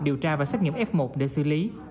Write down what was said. điều tra và xét nghiệm f một để xử lý